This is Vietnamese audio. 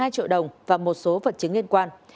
một mươi hai triệu đồng và một số vật chứng liên quan